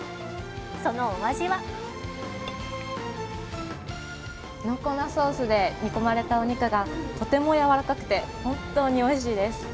そのお味は濃厚なソースで煮込まれたお肉がとてもやわらかくて本当においしいです。